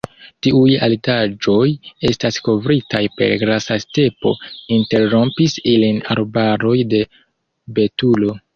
Tiuj altaĵoj estas kovritaj per grasa stepo, interrompis ilin arbaroj de betulo.